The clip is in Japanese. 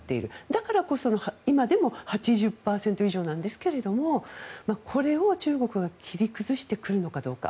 だからこそ、今でも８０％以上なんですけれどもこれを中国が切り崩してくるのかどうか。